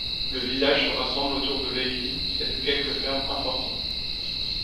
Le village se rassemble autour de l'église et de quelques fermes importantes.